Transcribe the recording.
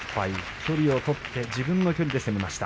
距離を取って自分の距離で攻めました。